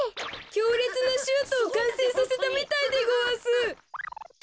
きょうれつなシュートをかんせいさせたみたいでごわす。